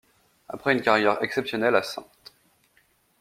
Après une carrière exceptionnelle à St.